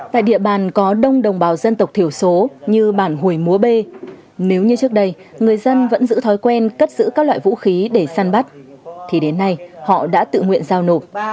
tại địa bàn có đông đồng bào dân tộc thiểu số như bản hồi múa b nếu như trước đây người dân vẫn giữ thói quen cất giữ các loại vũ khí để săn bắt thì đến nay họ đã tự nguyện giao nộp